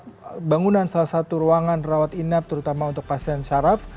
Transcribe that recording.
pada bangunan salah satu ruangan perawat inap terutama untuk pasien syaraf